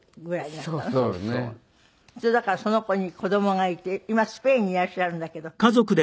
だからその子に子供がいて今スペインにいらっしゃるんだけど。